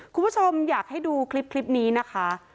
คุณผู้ชมอยากให้ดูคลิปนี้นะคะ